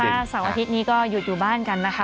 ถ้าเสาร์อาทิตย์นี้ก็หยุดอยู่บ้านกันนะคะ